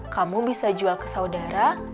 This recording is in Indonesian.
kamu bisa jual ke saudara